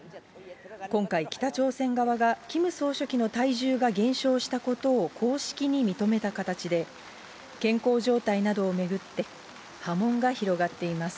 今回、北朝鮮側がキム総書記の体重が減少したことを公式に認めた形で、健康状態などを巡って、波紋が広がっています。